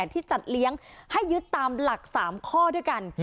ที่จัดเลี้ยงให้ยึดตามหลัก๓ข้อด้วยกัน